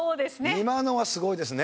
今のはすごいですね。